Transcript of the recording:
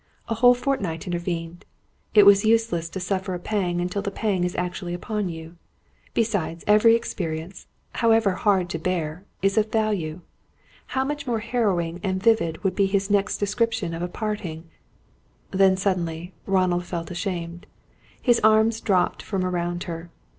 A whole fortnight intervened. It is useless to suffer a pang until the pang is actually upon you. Besides, every experience however hard to bear is of value. How much more harrowing and vivid would be his next description of a parting Then, suddenly, Ronald felt ashamed. His arms dropped from around her.